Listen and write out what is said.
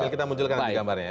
kita munculkan gambarnya